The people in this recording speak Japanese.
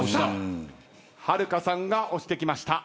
はるかさんが押してきました。